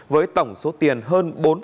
với tổng số tiền hơn bốn ba